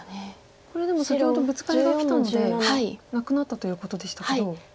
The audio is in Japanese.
これでも先ほどブツカリがきたのでなくなったということでしたけど。